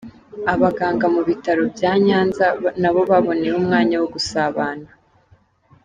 Abaganga mu bitaro bya Nyanza nabo baboneyeho umwanya wo gusabana.